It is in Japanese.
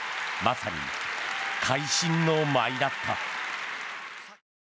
まさに会心の舞いだった。